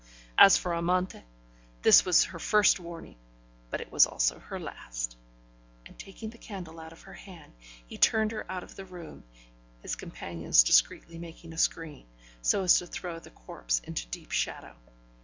As for Amante, this was her first warning, but it was also her last; and, taking the candle out of her hand, he turned her out of the room, his companions discreetly making a screen, so as to throw the corpse into deep shadow.